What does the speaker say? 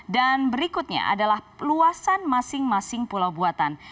dan berikutnya adalah luasan masing masing pulau buatan